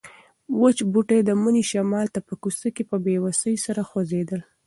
وچ بوټي د مني شمال ته په کوڅه کې په بې وسۍ سره خوځېدل.